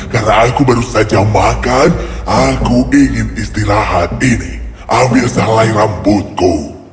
karena aku baru saja makan aku ingin istirahat ini ambil sehalai rambutku